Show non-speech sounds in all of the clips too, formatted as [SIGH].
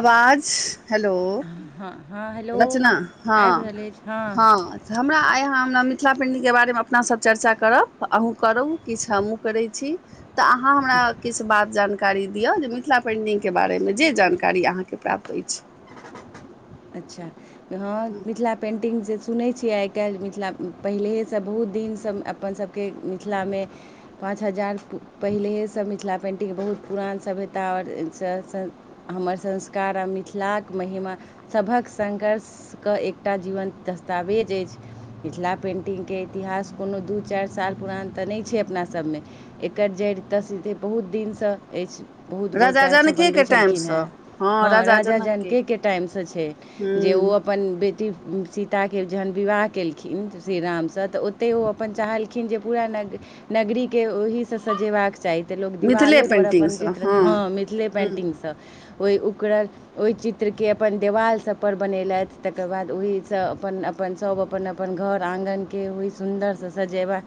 आवाज हेलो हँ हँ हेलो रचना आबि हँ रहल अछि। हँ हमरा आइ अहाँ मिथिला पेन्टिंगग के बारे में अपना सँ चर्चा करब अहूँ करू किछु हमहु करै छी तऽ अहाँ हमरा किछु बात जानकारी दिअ जे मिथिला पेंटिंग के बारे में जे जानकारी अहाँके प्राप्त अछि। अच्छा हँ मिथिला पेटिंगक पेन्टिंग जे सुनैत छियै आइ काल्हि मिथिला पहिले सँ बहुत दिनसँ अप्पन सभके मिथिला में पाँच हजार पहिलेसँ मिथिला पेन्टिंग बहुत पुरान सभ्यता आओर हमर संस्कार आ मिथिलाक महिमा। सभहक संघर्ष केँ एकटा जीवन्त दस्तावेज अछि। मिथिला पेन्टिंगके इतिहास कोनो दू चारि साल पुरान तऽ नहि छै। अपनासभ में एकर जड़ तसीतै बहुत दिन सँ अछि बहुत राजा गोटा सभ बनबै जनकेके छलखिन हँ टाइमसँ हँ राजा जनकके जनकन के टाइम सँ छै। जे ओ हूँ अपन बेटी सीता के जहन विवाह केलखिन खिन श्रीरामसँ तऽ ओतहि ओ अप्पन चाहलखिन जे पूरा नग नगरी के ओहि सँ सजेबाक चाही तऽ लोक मिथिले दिवालोपर अप्पन पेन्टिंगसँ चित्र हँ मिथिले हूँ पेन्टिंग सँ ओ ओकर ओहि चित्र के अप्पन देवाल सभ पर बनेलथि तकर बाद ओहि सँ अप्पन अप्पन सभ अप्पन अप्पन घोर आँगन के ओहि सुन्दर सँ सजेबै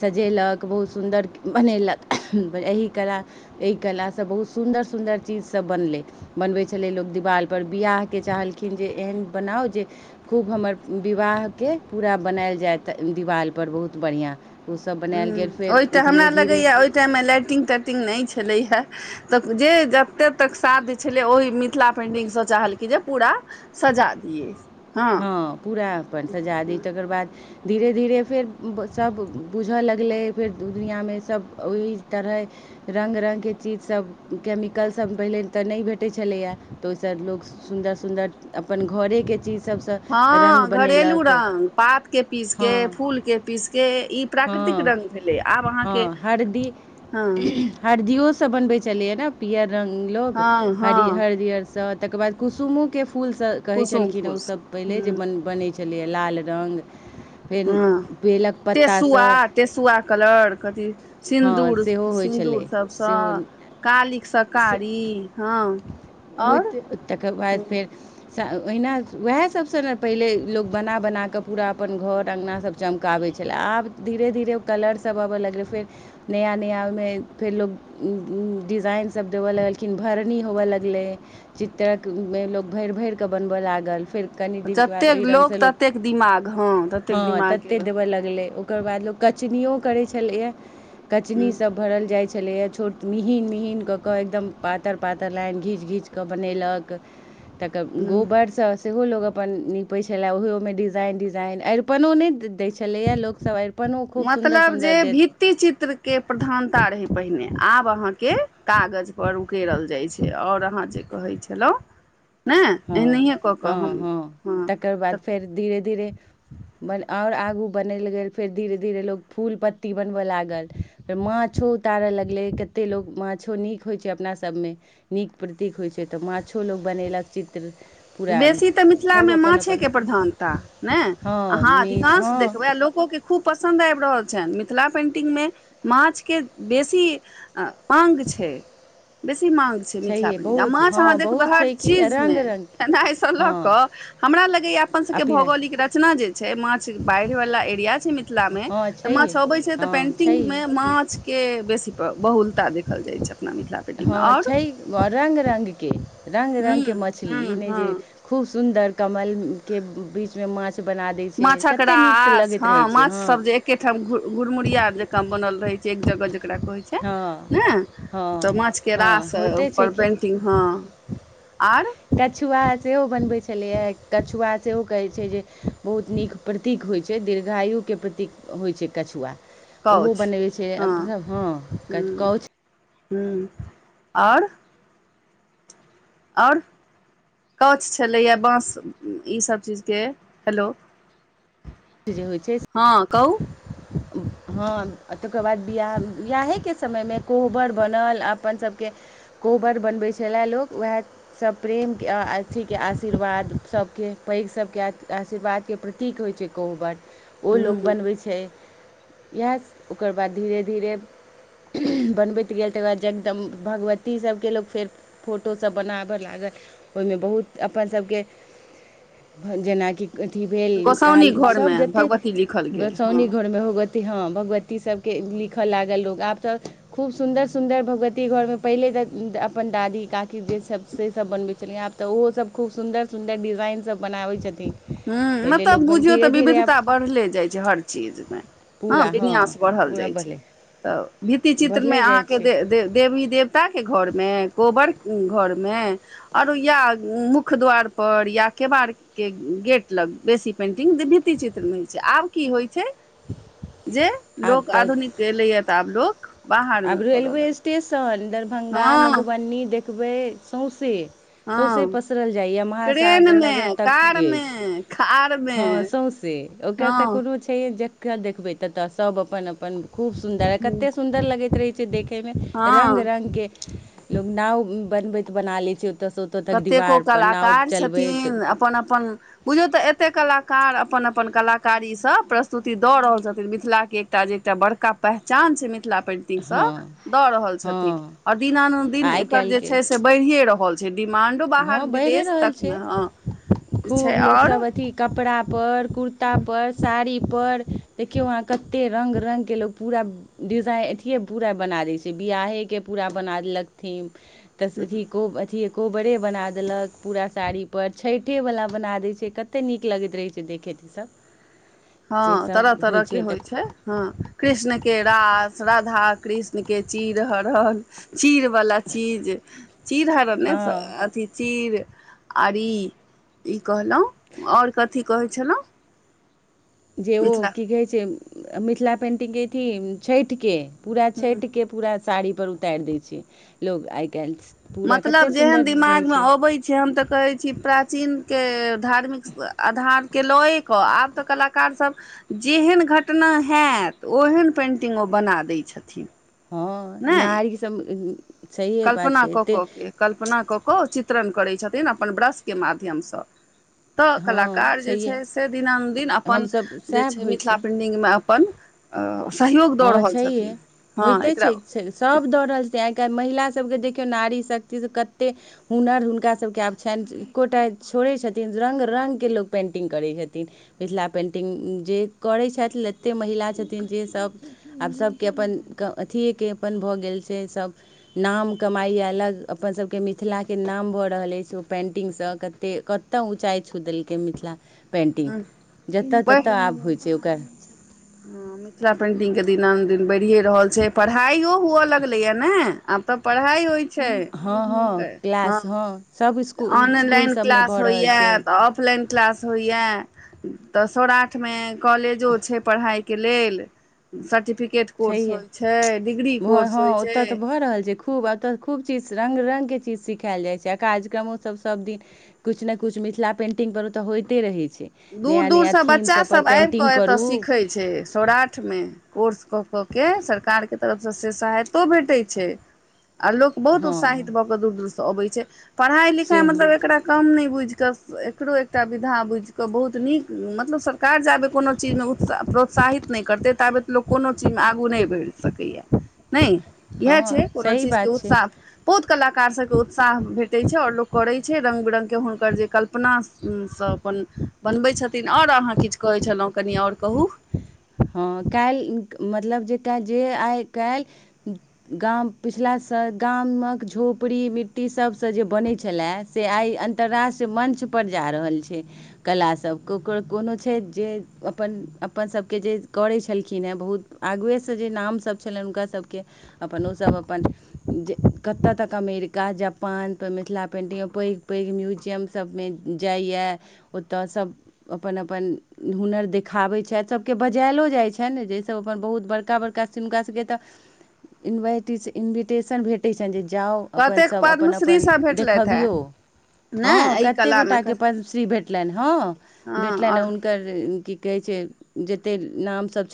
सजेलक बहुत सुन्दर बनेलक एहि कलाकेँ एहि कला सँ बहुत सुन्दर सुन्दर चीज सभ बनलै बनबैत छलै लोक दिवाल पर बियाहक के चाहलखिन जे एहन बनाउ जे खूब हमर विवाह के पूरा बनायल जायत दिवाल पर बहुत बढ़िआँ ओस बनायल गेल फेर धीरे धीरे। ऊ टाइम में लाइटिंग ताटिंग नहि छलै हँ तऽ जे जतेक तक साध। छलै ओहि मिथिला पेन्टिंग सँ चाहलखिन जे पूरा सजा दिए। हँ पूरा अप्पन सजा दी तकर बाद धीरे धीरे फेर सभ बुझऽ लगलै फेर दुनिआ में सभ ओहि तरह रंग रंग जे चीज सभ कमिकल सभ पहिने तऽ नहि भेटैत छलैए तऽ ओहि सँ लोक सुन्दर सुन्दर अप्पन घोरे के चीज सबसँ रङ्ग हँ घरेलू बनेलक रंग पात के पीस के हँ फूल के पीस के इ प्राकृतिक हँ रंग भेलै आब अहाँके हँ हरदियो सब बनबै छलैया ने पीयर रंग लोको हँ हर हँ हरदिर सँ तकर बाद कुसुमोक के फूलसँ कहै कुसुम छलखिन फूलस ओसब पहिले जे बन बनै छलैए लाल रंग हँ तेसुआ तेसुआ कलर कथि हँ सिन्दूर सेहो होइ सिन्दूर छलै तभसँ सेहो कालीक सकारी हँ होत आओर तकर बाद ह फेर ओहिना वएह सबसँ ने पहिले लोक बना बना कऽ पूरा अपन घर अँगना सब चमकाबै छलै आब धीरे धीरे ओ कलर सभ आबय लगलै फेर नया नया ओएमे फेर लोक डिजाइन सभ देबय लगलखिन भरनी होवय लगलै चित्रकमे लोक भेर भेर कऽ बनबय लागल फेर कनि दिनके बाद जतेक एहि रंग सँ लोक ततेक दिमाग हँ ततेक हँ दिमागके तते देबय लगलै ओकर बाद लोक कचनियो करै छलैया कचनी ह सब भरल जाइ छलैया छोट मिहिन मिहिन कऽ कऽ एकदम पातर पातर लाइन घीच घीच कऽ बनेलक [INAUDIBLE] तकब गोबरसँ सेहो लोक अपन निपैत छलै ओहोमे डिजाइन डिजाइन अरिपनो नइ दै छलैया लोकसभ अरिन पनो ओ खूब सुन्दर सुन्दर देैत चित्र के प्रधानता रहे पहिने आब अहाँ के कागज पर उ केरल जाइ छै ओर अहाँ जे कहै छलो नए हँ एनाहियए कऽ कऽ हम हँ तकर तऽ बाद फेर धीरे धीरे बन आओर आगू बनयल गेल फेर धीरे धीरे लोक फूल पत्ती बनबय लागल फेर माछो उतारय लगलै कतेक लोक माछो नीक होइ छै अपनासभमे नीक प्रतीक होइ छै तऽ माछो लोक बनयेलक चित्र पूरा बेसी तऽ सब मिथिलामे अपन अपन माछेके प्रधानता ने हँ हाँ मीछ अधिकांश देखबै आ हँ लोको के खूब पसन्द आइब रहल छैन मिथिला पेन्टिंगमे माछके बेसी मांग छै बेसी मांग छै मिथिला छैहे पेन्टिंग आ बहुत माछ हँ अहाँ देखबै बहुत हर छै कि रङ्ग चीजमे खैनाए स रङ्गके लऽ कऽ हँ हमरा लगैया अपन सबके अपीरा भौगोलिक रचना जे छै माछ बाइढ़ वाला एरिया छै मिथिला मे हँ तऽ छैहे माछ अबे छै तऽ हँ पेन्टिंग छैहे मे माछ के बेसी बहुलता देखल जाय छै अपना मिथिला पेन्टिंगमे हँ आओर छै रंग रंगके रंग हूँ रंगके मछली हूँ इ नय हँ जे खूब सुन्दर कमल के बीच मे माछ बना दै छै माछक कतेक नीकसँ लगैत रहै छै हँ केठाम घ घुरमुरियार जकाँ बनल रहे छै एक जगह जकरा कहे छै हँ [UNINTELLIGIBLE] नै तऽ हँ माछ के हँ रास होइते छै पर कि पेंटिंग हँ आर कछुआ सेहो बनबैत छलैए कछुआ सेहो कहै छै जे बहुत नीक प्रतीक होइत छै दीर्घायुके प्रतीक होइ छै कछुआ ओहो कौछ बनबै छै हँ हँ कोउछ हम्म ओर काओछ छलैएा बाँस ईसभब चीजके हेलो जे होइ छै हँ से- [INAUDIBLE] हँ तकर बाद ब्याह बियाहेके समयमे कोहबर बनल अपन सबके कोबर बनबै छलय लोक उएह सब प्रेमके अथीके आशीर्वाद सबके पैघ सबके आशीर्वादके प्रतीक होइत छै कोहबर ओ लोग हूँ बनबै छै इएह ओकर बाद धीरे धीरे बनबैत गेल तकर बाद जगदम भगवतीसबके लोक फेर फोटोसब बनाबय लागल ओहिमे बहुत अपन सबके जेनाकि अथी भेल गोसाउनी काली सब घरमे जतेत भगवती लिखल गेल हँ गोसाउनी घरमे होगत ती हँ भगवती सबके लिखय लागल लोक आब तऽ खूब सुन्दर सुन्दर भगवती घरमे पहिले तऽ अपन दादी काकी जेसब सेसब बनबैत छलैया ह आब तऽ उहोसब खूब सुन्दर सुन्दर डिजाइन सब बनाबै छथिन हूँ पहिले लोक मलब बन बुझियौ तऽ धीरे धीरे आब विविधता बढ़ले जाइ छै हर चीज मे हँ विन्यास बढ़ल पूरा जाइ छै बढ़लै तऽ भित्ति चित्र मे बढ़ले जाइ अहाँके छै दे दे देवी देवताके घरमे कोबर घरमे आरो या मुख्य द्वार पर या केबाड़ के गेट लग बेसी पेन्टिंग दिभित्ती चित्रमे होइत छै आब की होइ छै जे आब लोक तऽ आधुनिकएलैया तऽ आब लोक बाहरमे आब करऽ रेलवे लगलै स्टेशन दरभंगा हँ मधुबनी देखबै सौँसे सौंसे हँ पसरल जाइए महासाग ट्रेनमे नगर तक के कारमे ऐछ कारमे हँ सौँसे से ओकर त हँ कोनो ज देखबै तत सब अपन अपन खूब सुंदर ह कते सुंदर लगैत रहे छै देखे मे रंग हँ रंग के लोक नाव बनबैत बना ले छै ओत स ओ कतेको कलाकार छथिन अपन अपन बुझौ तऽ एते कलाकार अपन अपन कलाकारीसँ प्रस्तुति दऽ रहल छथिन मिथिलाके तऽ जे एकटा बड़का पहचान छै मिथिला पेन्ट हँ दऽ रहल छथिन हँ आओर दिनानुदिन आइ एकर जे काल्हिके छै से बढ़ियए रहल छै डिमांडो बाहर हँ बढ़िए विदेश रहल छै तकमे हँ जे छै खूब लोकसब आओर अथी कपड़ पर कुर्ता पर साड़ी पर देखियौ अहाँ कते रङ्ग रङ्गके लोक पूरा डिजाइ अथिए पूरा बना दै छै बियाहेके पूरा बना देलकथिम तस की कहू अथी बड़े बना देलक पूरा साड़ीपर छठिवला बना दैत छै कतेक नीक लगैत रहैत छै देखैत ईसब हँ तरह तरह के होइ तऽ छै हँ कृष्ण के रास राधा कृष्ण के चिर हरण चीर वाला चीज चीर हर नै हँ अथी चीर आर ई कहलौं आओर कथी कहै छलौं जे ओ की कहैत छै मिथिला पेन्टिंगके अथी छठिके पूरा ह छठिके पूरा साड़ीपर उतारि दै छै लोग आइ काल्हि पूरा मतलब कतेक जेहन सुन्दर रहै दिमाग मे छै अबै छै हम तऽ कहै छी प्राचीनके धार्मिक आधारके लऽए कऽ आब तऽ कलाकार सब जेहन घटना हएत ओहन पेन्टिंग ओ बना दै छथिन हँ नहि नायीक सभ सहिए बात कल्पना छै। कऽ एतेक कऽ के कल्पना कऽ कऽ चित्रण करै छथिन। अप्पन ब्रशके माध्यम सँ तऽ हँ कलाकार जे छैहे छै। श दिना दिन अप्पन हमसब जे सएह छै। होइ मिथिला पेन्ट में अप्पन सहयोग दऽ हँ रहल छथिन। हँ एकरा सभ दऽ रहल छै। आइकाल्हि महिला सभ के देखियौ नारी शक्ति सँ कतेक हुनर हुनका सभ के आब छनि एक्कोटा छोड़ैत छथिन रंग रंग के लोक पेन्टिंग करैत छथिन। मिथिला पेन्टिंग जे करैत छथि। जतेक महिला छथिन। जे सभ आब सभ के अप्पन अथिए के अप्पन भऽ गेल छै। सभ नाम कमाइ अलग अप्पन सभ के मिथिला के नाम भऽ रहल अछि। ओ पेन्टिंग सँ त कतय ऊँचाइ छू देलकै मिथिला पेन्टिंग जतऽ ततऽ आब होइ छै। ओकर हू मिथिला पेंटिंग के दिनानदिन बढ़िये रहल छै। पढ़ाइय हुए लगले या ने आब तऽ पढ़ाई होइ छै हँ हँ क्लास हँ सभ इकु ऑनलाइन क्लास होइए तऽ तऽ ऑफलाइन क्लास होइए तऽ सौराठ में कॉलेजो छै। पढ़ाई के लेल सर्टिफिकेट कोर्स छैहे होइ छै। डिग्री भऽ कोर्स हँ होइ छै। ओतऽ तऽ भऽ रहल छै। खूबतऽ खूब चीज रंग रंग के चीज सिखाएल जाइ छै। आ कार्यक्रमो सभ सभ दिन किछु ने किछु मिथिला पेन्टिङंग पर ओ तऽ होइते रहै छै। दूर नया नया दूरसँ थीम बच्चा सबपर सभ आबि कऽ पेन्टिङ्ग एतय करू सिखैत छै। सौराठ में कोर्स कऽ कऽ के सरकार के तरफ सँ से सहायतो भेटैत छै। आ लोक बहुत हँ उत्साहित भऽ कऽ दूर दूर से अबै छै। पढ़ाई लिखाई से हँ मतलब एकरा कम नहि बुझिकऽ एकरो एकटा विधा बुझिकऽ बहुत नीक मतलब सरकार जाबै कोनो चीज में उत्स प्रोत्साहित नहि करतै ताबेत लोक कोनो चीज में आगू नहि बढ़ि सकैए नहि इएह छै। हँ कोनो सही चीज के बात छै उत्साह बहुत कलाकार सभ के उत्साह भेटै छै। आओर लोक करै छै। रंग बिरंग के हुनकर जे कल्पना सभ अप्पन बनबै छथिन। आओर अहाँ किछु कहै छलहुँ कनि आओर कहू हा काल्हि मतलब जे क जे आइ काल्हि गाम पिछिला स गाम कऽ झोपड़ी मिट्टी सभ सँ जे बनैत छलए से आइ अन्तर्राष्ट्रीय मंच पर जा रहल छै। कलास सभ ककर कोनो छै। जे अप्पन अप्पन सभ केँ के जे करै छलखिन हँ बहुत आगुए सँ जे नाम सभ छलनि हुनका सभकेँ अप्पन ओ सभ अप्पन जे कतय तक अमेरिका जापान पर मिथिला पेन्टिंग पैघ पैघ म्युजियम सभ में जाइए ओतय सभ अप्पन अप्पन हुनर देखाबैत छथि। के बजायलो जाइ छनि। जाहिसभ अप्पन बहुत बड़का बड़का सिमनक सभ के तऽ इंवाइटीस इन्विटेशन भेट। ओतहिसन जे जाउ अप्पन कतेक सभ अप्पन पद्मश्री अप्पन सब भेटलथि हे देखबियौ नहि हँ एहि कते कलामे गोटा के पद्मश्री। भेटलनि हँ हँ भेटलनि आँ आओर हुनक कर की कहै छै। जतेक नाम सभ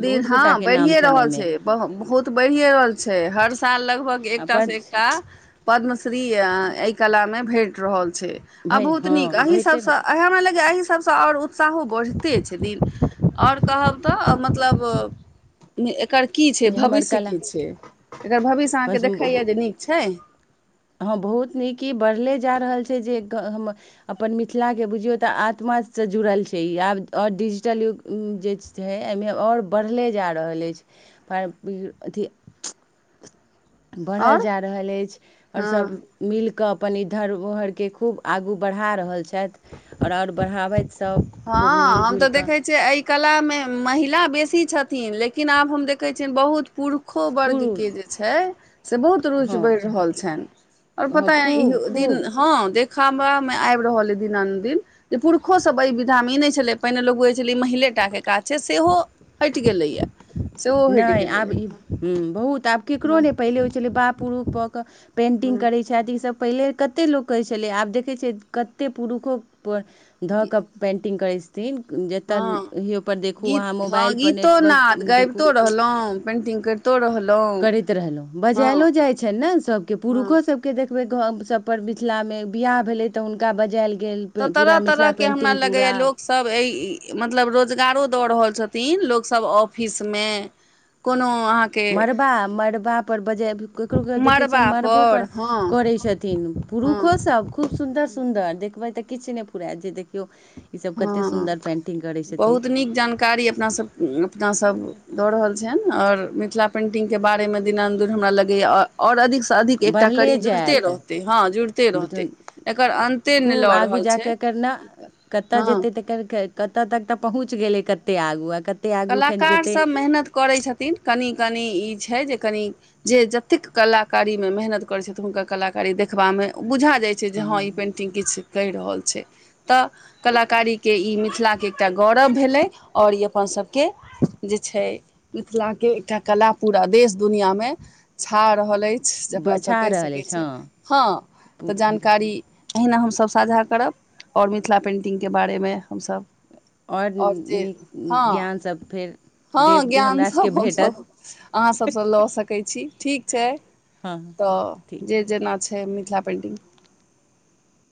दिन हँ बढ़िए रहल छै। ब बहुत त बढ़ए रहल छै। हर साल लगभग आओर एकटास से एकटा पद्म पद्मश्री एहि कला में भेट रहल छै। आ भे बहुत हँ नीक ए सभ भेटै सँ आ हमरा लगैए एहि सभ सँ आओर उत्साहो बढ़िते छथिन। आओर कहब तऽ मतलब एकर की छै जे हमर भविष्य कला की छै एकर भविष्य अहाँके देखैया जे नीक छै हँ बहुत नीक ई बढ़ले जा रहल छै जे हम अपन मिथिलाके बुझियौ तऽ आत्मासँ जुड़ल छै ई आब आओर डिजिटल युग जे छै एहिमे आओर बढ़ले जा रहल अछि पर अथी बढ़ल आओर जा रहल अछि आओर हँ सभ मिलकऽ अपन ई धरमोहरके खूब आगू बढ़ा रहल छैथ आओर आओर बढ़ाबथि सब खूब मिलजुलिकऽ जे एहि कलामे महिला बेसी छथिन लेकिन आब हम देखै छियअनि बहुत पुरुष खोहवर्गके पुरुष जे छै से बहुत रुचि हँ बढ़ि रहल छनिह आओर हँ पता खूब ईहो दिन खूब हँ देखामा में आबि रहल दिनदिन जे पुरषो सब अ दामी नहि छलै पहिने लोकुै छलै ई महिले टाके काज छै सेहो हटि गेलैए से ओ हेठ गेल ल ह बहुत आब केकरो नहि पहिले होइ छलै बाप रुफ कऽ कऽ पेन्टिंग हँ करै छथि ईसभ पहिले कतेक लोक कहैत छलै आब देखैत छियै कतेको पुरुषो धऽ कऽ पेन्टिंग करै छी ज तो हँ अहा के गीत हँ मोबाइल गीतो कतोरहलहुँ करैत रहलहुँ बजायलो जाइत छनि ने सभके हँ पुरुषोसभ के देखबै ग सबपर मिथिलामे बिआाह भेलै तऽ हुनका बजायल गेल तऽ पे- तरह पूरा तरह मिथिला के हमरा पेन्टिंग लगेया पूरा लोक सभ एहि मतलब रोजगारो दऽ रहल छथिन लोकसभ ऑफिसमे कोनो अहाँ मड़बा मड़बापर बजाय ककरो क देखै मड़बा छियनि पर मड़बोपर हँ करैत छथिन हँ पुरुषोसभ खूब सुन्दर सुन्दर देखबै तऽ किछु नहि फुरात जे देखियौ ईसभ कतेक हँ सुन्दर पेन्टिंग करै छथिन बहुत नीक जानकारी अपना सब अपनासभ दऽ रहल छनि आओर मिथिला पेन्टिंगके बारेमे दिनानन्दिन हमरा लगैय ओर अधिक से अधिक एकटा बढ़ले करी जुड़ते जायत रहते हँ जुड़ते रहते बुझ- एकर अंत ओते नहि लऽ रहल छैय क कर कतऽ जेतै त कतऽ तक तऽ पहुँच गेलै कतय आगू आ कत कलाकारसभ मेहनत करैत छथिन कनि कनि ई छै जे कनि जे जतेक कलाकारी मे मेहनत करैत छथि हुनका कलाकारी देखबा मे बुझा जाइत छैय हँ ई पेन्टिंग किछु कहि रहल छै तऽ कलाकारी के ई मिथिला के एकटा गौरब भेलै आओर ई अपन सब के जे छै मिथिलाके एकटा कला पूरा देश दुनिआँमे छा रहल अछि जे अपनासभ बचा कहि रहल सकै अछि हँ छि जानकारी एहिना हमसभ साझा करब आओर मिथिला पेन्टिंगके बारेमे हमसभ आओर जे नीक हँ ज्ञानसभ फेर हँ देब जे ज्ञान हमरा सभके सब भेटत हमसभ अहाँ सबसँ लऽ सकै छी ठीक छै हँ तखन ठीक तऽ जे जेना छै मिथिला पेन्टिंग